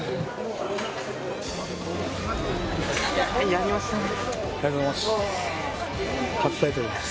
やりましたね